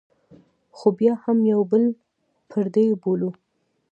خو بیا هم یو بل پردي بولو.